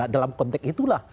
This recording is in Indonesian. dalam konteks itulah